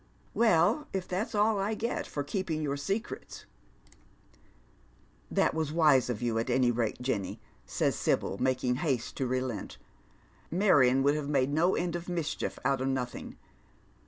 " Well, if that's all I get for keeping your secrets !" "■That was wise of you at any rate, Jenny," says Sibyl, naakin* haste to relent. " Marion would have made no end of misuhiof out of nothing.